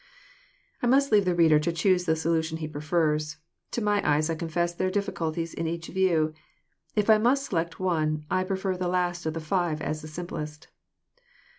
I must leave the reader to choose which solution he prefers. To my eyes, I confess, there are difficulties in each view. If I must select one, I prefer the last of the Ave, as the simplest.